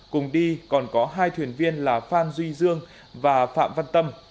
cùng đi còn có hai thuyền viên là phan duy dương và phạm văn tâm